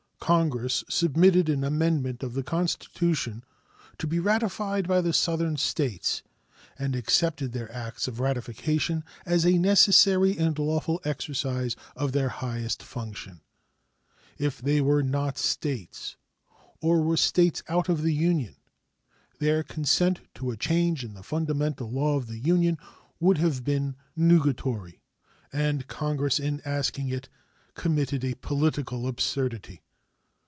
Congress submitted an amendment of the Constitution to be ratified by the Southern States, and accepted their acts of ratification as a necessary and lawful exercise of their highest function. If they were not States, or were States out of the Union, their consent to a change in the fundamental law of the Union would have been nugatory, and Congress in asking it committed a political absurdity.